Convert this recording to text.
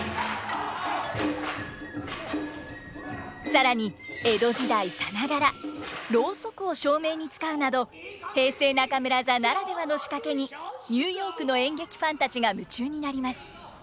さらに江戸時代さながらロウソクを照明に使うなど平成中村座ならではの仕掛けにニューヨークの演劇ファンたちが夢中になります。